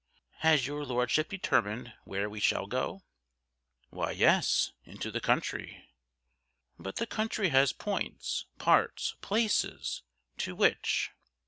"Has your Lordship determined where we shall go?" "Why, yes into the country." "But the country has points, parts, places. To which?"